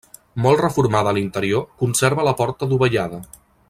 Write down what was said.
Molt reformada a l'interior, conserva la porta dovellada.